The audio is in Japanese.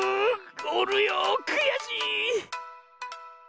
おるよくやしい！